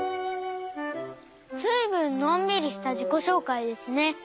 ずいぶんのんびりしたじこしょうかいですね。